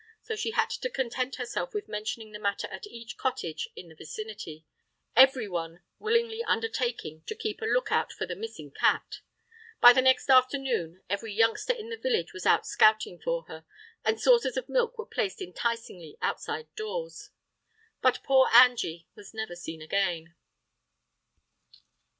So she had to content herself with mentioning the matter at each cottage in the vicinity, everyone willingly undertaking to keep a look out for the missing cat. By the next afternoon every youngster in the village was out scouting for her, and saucers of milk were placed enticingly outside doors. But poor Angy was never seen again.